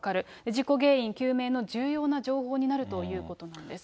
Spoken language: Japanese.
事故原因究明の重要な情報になるということなんです。